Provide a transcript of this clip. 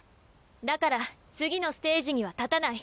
だから次のステージには立たない。